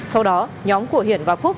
sau đó nhóm của hiển và phúc